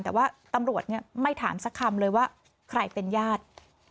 แต่ว่าตำรวจไม่ถามสักคำเลยว่าใครเป็นญาติ